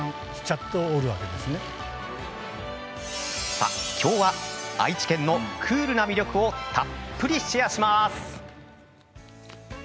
さあ、きょうは愛知県のクールな魅力をたっぷりシェアします。